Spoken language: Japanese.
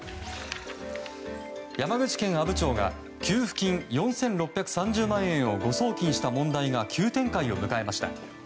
山口県阿武町が給付金４６３０万円を誤送金した問題が急展開を迎えました。